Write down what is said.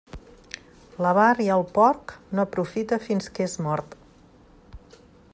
L'avar i el porc, no aprofita fins que és mort.